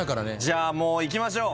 じゃあもういきましょう。